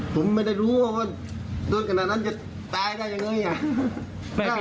ผมไม่ได้รู้ว่าตัวนั้นจะตายได้ยังไง